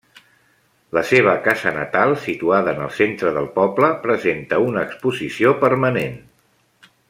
La seva casa natal, situada en el centre del poble, presenta una exposició permanent.